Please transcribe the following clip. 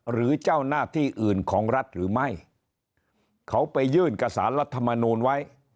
หรือเจ้าหน้าที่อื่นของรัฐหรือไม่เขาไปยื่นกับสารรัฐมนูลไว้